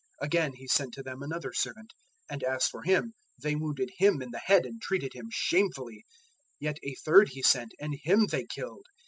012:004 Again he sent to them another servant: and as for him, they wounded him in the head and treated him shamefully. 012:005 Yet a third he sent, and him they killed.